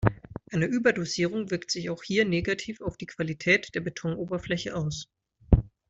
Eine Überdosierung wirkt sich auch hier negativ auf die Qualität der Betonoberfläche aus.